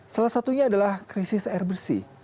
salah satunya adalah krisis air bersih